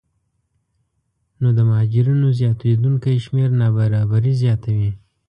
نو د مهاجرینو زیاتېدونکی شمېر نابرابري زیاتوي